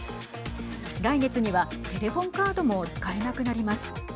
来月にはテレフォンカードも使えなくなります。